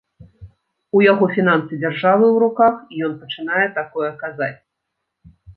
У яго фінансы дзяржавы ў руках і ён пачынае такое казаць.